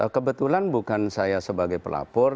kebetulan bukan saya sebagai pelapor